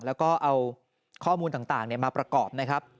และเอาข้อมูลต่างมาประกอบ